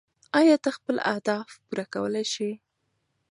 ایا ته خپل اهداف پوره کولی شې؟